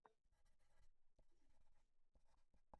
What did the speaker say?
Nikameria ihi kazi nalipwa magome ghaenga.